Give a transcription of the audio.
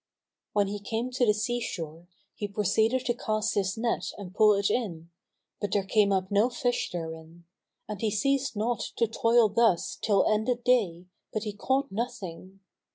"[FN#237] When he came to the sea shore, he proceeded to cast his net and pull it in; but there came up no fish therein; and he ceased not to toil thus till ended day but he caught nothing.